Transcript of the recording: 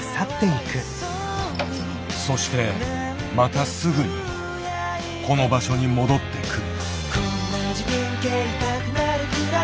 そしてまたすぐにこの場所に戻ってくる。